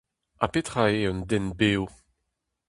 Ha petra eo un den bev ?